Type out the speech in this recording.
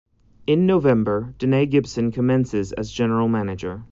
In November, Danae Gibson commences as General Manager.